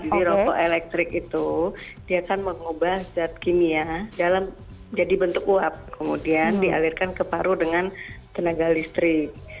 jadi rokok elektrik itu dia akan mengubah zat kimia jadi bentuk uap kemudian dialirkan ke paru dengan tenaga listrik